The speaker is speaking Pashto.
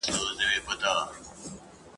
زېری به راوړي د پسرلیو !.